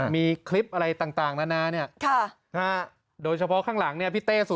มีคลิปอะไรต่างนานาเนี่ยโดยเฉพาะข้างหลังเนี่ยพี่เต้